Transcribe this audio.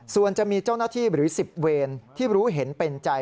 ส่วนจะมีเจ้าหน้าที่หรือ๑๐เวรที่รู้เห็นเป็นใจ